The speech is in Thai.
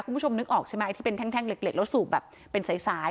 คุณผู้ชมนึกออกใช่ไหมไอที่เป็นแท่งเหล็กแล้วสูบแบบเป็นสาย